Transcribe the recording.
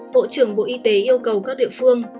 bộ trưởng bộ y tế yêu cầu các địa phương